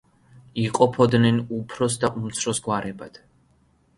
იყოფოდნენ უფროს და და უმცროს გვარებად.